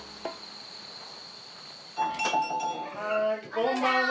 こんばんは。